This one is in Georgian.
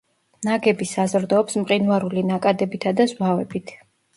ნაგები საზრდოობს მყინვარული ნაკადებითა და ზვავებით.